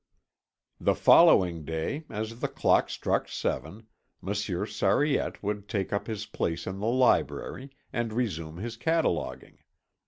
The following day, as the clock struck seven, Monsieur Sariette would take up his place in the library, and resume his cataloguing.